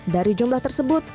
dari jumlah tersebut